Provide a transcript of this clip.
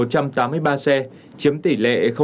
chiếm tỷ lệ tám mươi năm